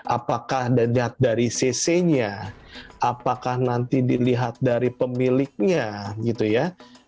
apakah dari cc nya apakah nanti dilihat dari pemiliknya gitu ya